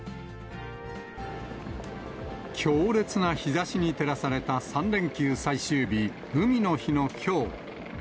強烈な日ざしに照らされた３連休最終日、海の日のきょう。